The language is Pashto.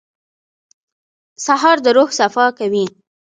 سهار د روح صفا کوي.